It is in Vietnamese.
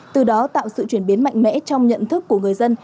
từ đó tạo sự chuyển biến mạnh mẽ trong nhận thức của người dân